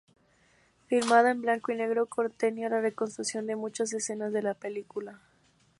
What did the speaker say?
Filmada en blanco y negro, contenía la reconstrucción de muchas escenas de la película.